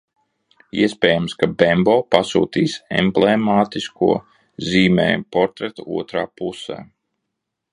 Iespējams, ka Bembo pasūtījis emblēmisko zīmējumu portreta otrā pusē.